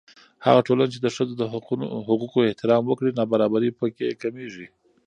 هغه ټولنه چې د ښځو د حقوقو احترام وکړي، نابرابري په کې کمېږي.